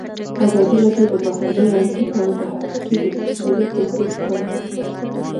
ازادي راډیو د بهرنۍ اړیکې په اړه د هر اړخیزو مسایلو پوښښ کړی.